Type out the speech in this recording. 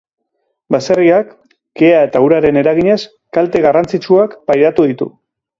Baserriak, kea eta uraren eraginez, kalte garrantzitsuak pairatu ditu.